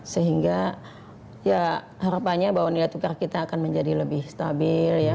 sehingga ya harapannya bahwa nilai tukar kita akan menjadi lebih stabil ya